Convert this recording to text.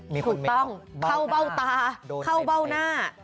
ถูกต้องเข้าเบ้าตาเข้าเบ้าหน้า